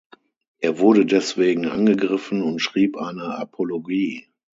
Er wurde deswegen angegriffen und schrieb eine Apologie.